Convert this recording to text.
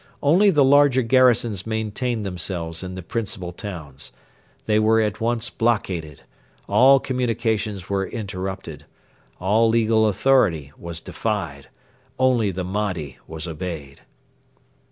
Only the larger garrisons maintained themselves in the principal towns. They were at once blockaded. All communications were interrupted. All legal authority was defied. Only the Mahdi was obeyed.